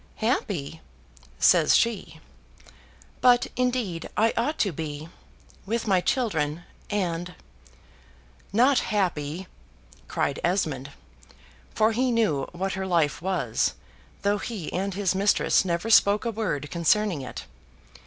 "Happy!" says she; "but indeed I ought to be, with my children, and " "Not happy!" cried Esmond (for he knew what her life was, though he and his mistress never spoke a word concerning it).